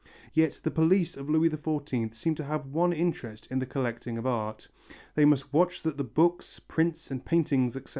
Yet the police of Louis XIV seem to have one interest in the collecting of art. They must watch that the books, prints and paintings, etc.